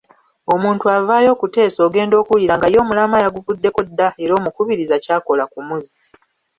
Omuntu avaayo okuteesa ogenda okuwulira nga ye omulamwa yaguvuddeko dda era omukubiriza ky'akola kumuzza.